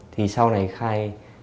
thì sau này khai